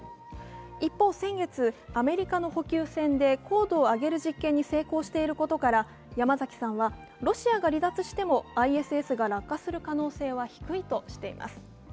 一方、先月、アメリカの補給船で高度を上げる実験に成功していることから、山崎さんは、ロシアが離脱してもＩＳＳが落下する可能性は低いとしています。